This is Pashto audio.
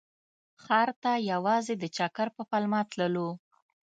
ښار ته یوازې د چکر په پلمه تللو.